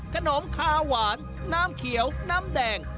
ขนมคาหวานน้ำเขียวน้ำแดง